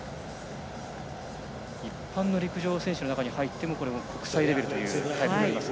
一般の陸上選手の中に入っても国際レベルというタイムになります。